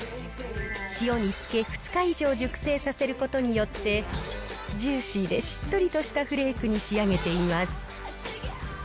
塩に漬け、２日以上熟成させることによって、ジューシーでしっとりとしたフレークに仕上げています。